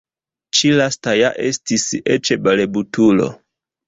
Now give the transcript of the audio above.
Ĉi lasta ja estis eĉ balbutulo!